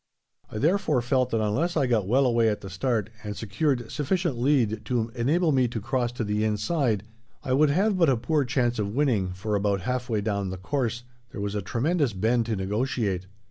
I therefore felt that unless I got well away at the start, and secured sufficient lead to enable me to cross to the inside, I would have but a poor chance of winning, for, about half way down the course, there was a tremendous bend to negotiate.